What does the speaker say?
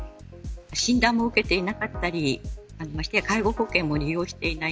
診断も受けていなかったり介護保険を利用していない